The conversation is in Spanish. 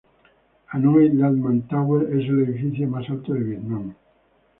Hanoi Landmark Tower es el edificio más alto de Vietnam.